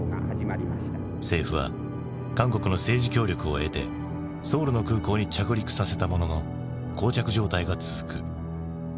政府は韓国の政治協力を得てソウルの空港に着陸させたもののこう着状態が続く。